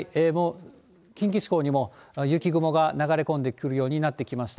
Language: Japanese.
近畿地方にも雪雲が流れ込んでくるようになってきました。